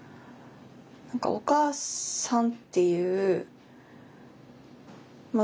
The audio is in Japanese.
何か「お母さん」っていうまあ